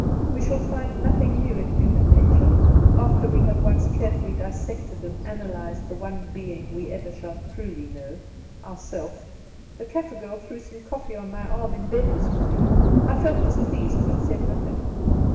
We shall find nothing new in human nature after we have once carefully dissected and analyzed the one being we ever shall truly know ourself. The Kaffer girl threw some coffee on my arm in bed this morning; I felt displeased, but said nothing.